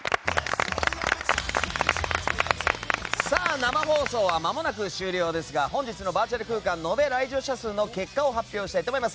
生放送はまもなく終了ですが本日のバーチャル空間延べ来場者数の結果を発表したいと思います。